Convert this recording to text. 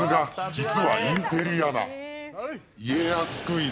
実はインテリアナ！